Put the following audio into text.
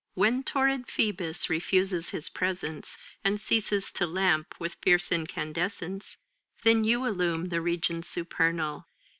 When torrid Phoebus refuses his presence And ceases to lamp with fierce incandescence^ Then you illumine the regions supernal.